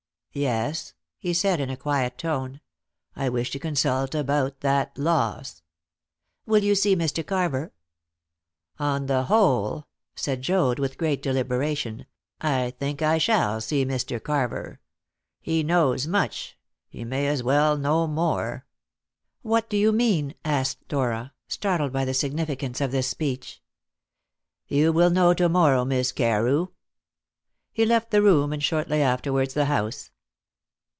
"Yes," he said, in a quiet tone, "I wish to consult about that loss." "Will you see Mr. Carver?" "On the whole," said Joad, with great deliberation, "I think I shall see Mr. Carver. He knows much; he may as well know more." "What do you mean?" asked Dora, startled by the significance of this speech. "You will know to morrow, Miss Carew." He left the room, and shortly afterwards the house.